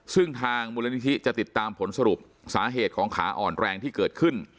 ซึ่งทางมูลนิธิจะติดตามผลสรุปสาเหตุของขาอ่อนแรงที่เกิดขึ้น